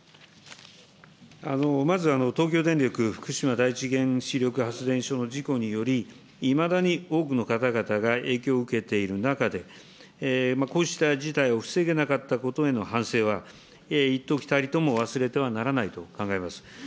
まず東京電力福島第一原子力発電所の事故により、いまだに多くの方々が影響を受けている中で、こうした事態を防げなかったことへの反省は、いっときたりとも忘れてはならないと考えます。